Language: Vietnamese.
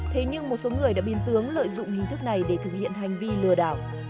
thế nhưng một số người đã biến tướng lợi dụng hình thức này để thực hiện hành vi lừa đảo